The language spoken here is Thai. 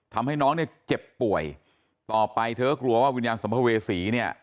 ทำให้น้องเนี่ยเจ็บป่วยต่อไปเธอกลัวว่าวิญญาณสัมภเวษีเนี่ย